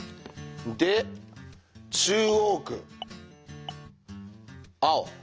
で中央区青。